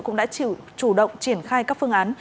cũng đã chủ động triển khai các phương án